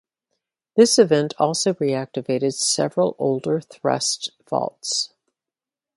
This event also reactivated several older thrust faults.